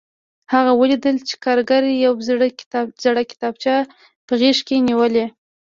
هغه ولیدل چې کارګر یوه زړه کتابچه په غېږ کې نیولې